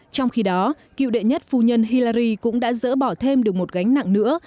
trong khi đó cựu đệ nhất phu nhân hillari cũng đã dỡ bỏ thêm được một gánh nặng nữa